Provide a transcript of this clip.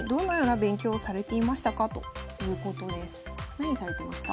何されてました？